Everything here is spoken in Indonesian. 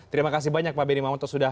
terima kasih banyak pak bni mamonto sudah